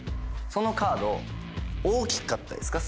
そのカード大きかったですか？